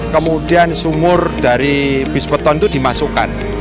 kemudian sumur dari bispeton itu dimasukkan